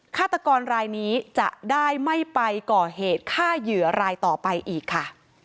ฆาตกรรายนี้จะได้ไม่ไปก่อเหตุฆ่าเหยื่อรายต่อไปอีกค่ะ